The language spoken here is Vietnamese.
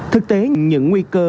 thực tế những nguy cơ